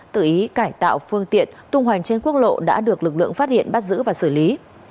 tự ý cải tạo phương tiện tung hoành trên quốc lộ đã được lực lượng phát hiện bắt giữ và xử lý